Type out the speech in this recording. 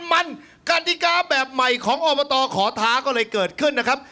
กาฏิกาแบบใหม่ของออร์โบตอร์ขอถ้าก็เลยเกิดขึ้นนะครับ